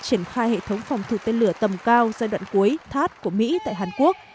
triển khai hệ thống phòng thủ tên lửa tầm cao giai đoạn cuối thaad của mỹ tại hàn quốc